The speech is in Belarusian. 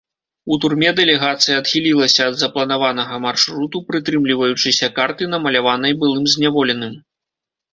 У турме дэлегацыя адхілілася ад запланаванага маршруту, прытрымліваючыся карты, намаляванай былым зняволеным.